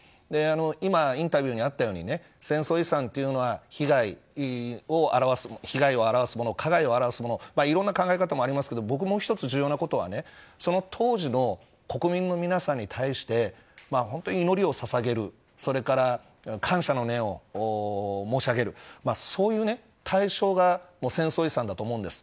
今インタビューにあったように戦争遺産というのは被害を表すもの加害を表すものいろんな考え方がありますが必要なことは、当時の国民の人に対して祈りをささげるそれから感謝の念を申し上げるそういう対象が戦争遺産だと思うんです。